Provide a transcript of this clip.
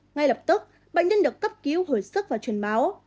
ngay lập tức bệnh nhân được cấp cứu hồi sức và truyền máu